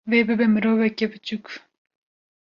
wê bibe miroveke piçûk